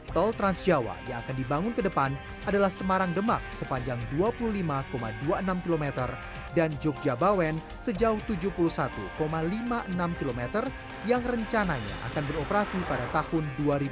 tol transjawa yang akan dibangun ke depan adalah semarang demak sepanjang dua puluh lima dua puluh enam km dan jogja bawen sejauh tujuh puluh satu lima puluh enam km yang rencananya akan beroperasi pada tahun dua ribu dua puluh